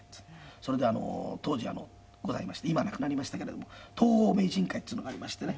それで当時はございまして今なくなりましたけれども東宝名人会っていうのがありましてね